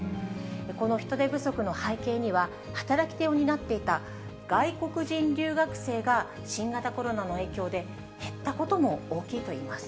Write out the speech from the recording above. この人手不足の背景には、働き手を担っていた外国人留学生が新型コロナの影響で減ったことも大きいといいます。